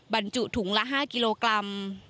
บรรจุถุงละ๕กิโลกรัม